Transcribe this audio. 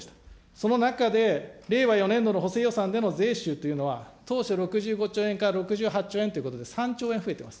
その中で令和４年度の補正予算での税収というのは、当初６５兆円から６８兆円ということで、３兆円増えています。